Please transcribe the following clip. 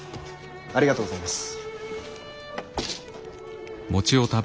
ありがとうございます。